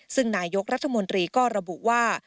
ซึ่งนายกรัฐมนตรีก็ระบุว่า